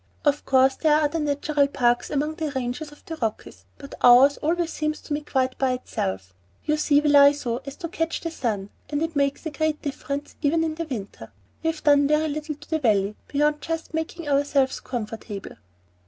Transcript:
Of course there are other natural parks among the ranges of the Rockies, but ours always seems to me quite by itself. You see we lie so as to catch the sun, and it makes a great difference even in the winter. We have done very little to the Valley, beyond just making ourselves comfortable."